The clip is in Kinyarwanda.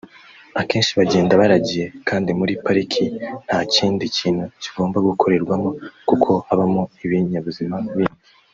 akenshi bagenda baragiye kandi muri pariki nta kindi kintu kigomba gukorerwamo kuko habamo ibinyabuzima bindi